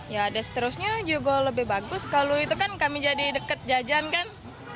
ya dan seterusnya juga lebih bagus kalau itu kan kami jadi dekat jajan kan